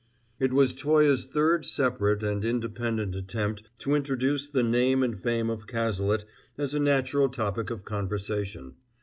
It was Toye's third separate and independent attempt to introduce the name and fame of Cazalet as a natural topic of conversation.